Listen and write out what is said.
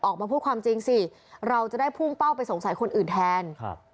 ออกมาพูดความจริงสิเราจะได้พุ่งเป้าไปสงสัยคนอื่นแทนครับ